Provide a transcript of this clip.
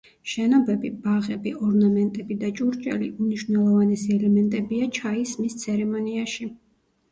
შენობები, ბაღები, ორნამენტები და ჭურჭელი უმნიშვნელოვანესი ელემენტებია ჩაის სმის ცერემონიაში.